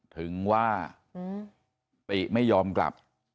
ถึงว่าติไม่ยอมกลับ